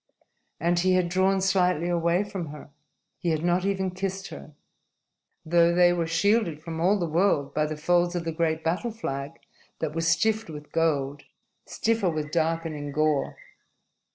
And he had drawn slightly away from her. He had not even kissed her, though they were shielded from all the world by the folds of the great battle flag that was stiff with gold, stiffer with darkening gore.